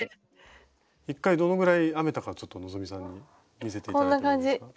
一回どのぐらい編めたかちょっと希さん見せて頂いてもいいですか？